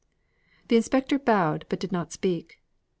The inspector bowed but did not speak.